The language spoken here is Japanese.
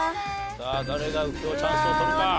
さあ誰が右京チャンスを取るか？